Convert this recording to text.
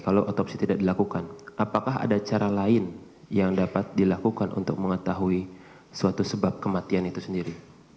kalau otopsi tidak dilakukan apakah ada cara lain yang dapat dilakukan untuk mengetahui suatu sebab kematian itu sendiri